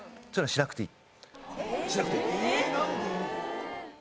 しなくていい？